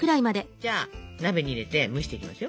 じゃあ鍋に入れて蒸していきますよ。